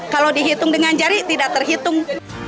kalau dihitung dengan jari tidak terhitung